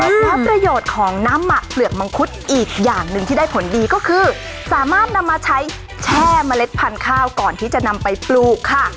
แล้วประโยชน์ของน้ำหมักเปลือกมังคุดอีกอย่างหนึ่งที่ได้ผลดีก็คือสามารถนำมาใช้แช่เมล็ดพันธุ์ข้าวก่อนที่จะนำไปปลูกค่ะ